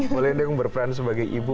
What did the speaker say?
boleh dong berperan sebagai ibu